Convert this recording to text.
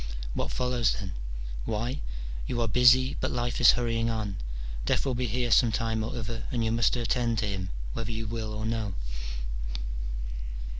What follows, then ? Why ! you are busy, but life is hurrying on : death will be here some time or other, and you must attend to him, whether you will or no.